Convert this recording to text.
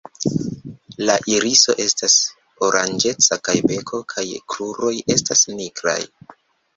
La iriso estas oranĝeca, kaj beko kaj kruroj estas nigraj.